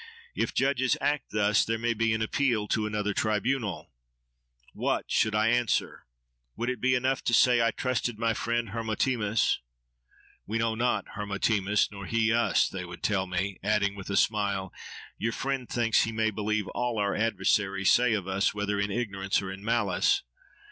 If judges act thus, there may be an appeal to another tribunal.' What should I answer? Would it be enough to say:—'I trusted my friend Hermotimus?'—'We know not Hermotimus, nor he us,' they would tell me; adding, with a smile, 'your friend thinks he may believe all our adversaries say of us whether in ignorance or in malice.